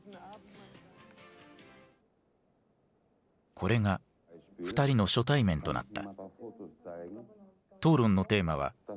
これが２人の初対面となった。